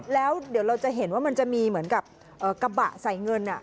แล้วเดี๋ยวเราจะเห็นว่ามันจะมีเหมือนกับกระบะใส่เงิน